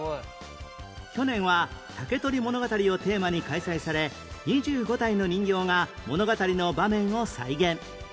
去年は『竹取物語』をテーマに開催され２５体の人形が物語の場面を再現